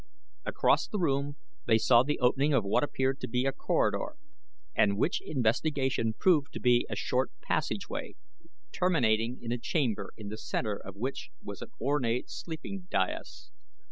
Across the room they saw the opening of what appeared to be a corridor and which investigation proved to be a short passageway, terminating in a chamber in the center of which was an ornate sleeping dais.